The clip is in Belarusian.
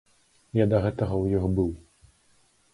Я да гэтага ў іх быў.